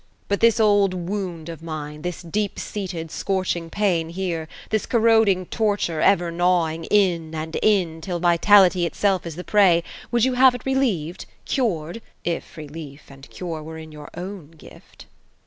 But tbia old wound of Mine — this deep seated, scorching pain, here \ this corroding torture, ever gnawing in and in, till vitality itself is the prey, would you bare it reliered. cared — if relief and cure were in your own gift?''